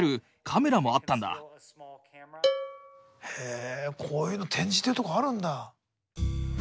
へえこういうの展示してるところあるんだ。